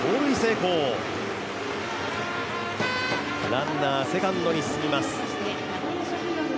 ランナーセカンドに進みます。